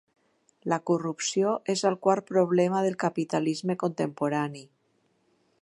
La corrupció és el quart problema del capitalisme contemporani.